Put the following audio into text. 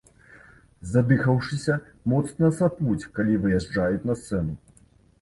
Задыхаўшыся, моцна сапуць, калі выязджаюць на сцэну.